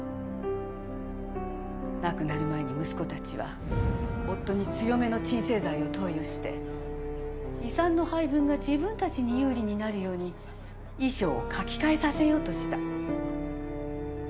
亡くなる前に息子たちは夫に強めの鎮静剤を投与して遺産の配分が自分たちに有利になるように遺書を書き換えさせようとした。